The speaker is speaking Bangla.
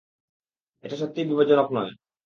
এটা সত্যিই বিপজ্জনক নয়।